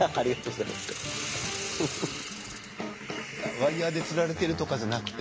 ワイヤーでつられているとかじゃなくて。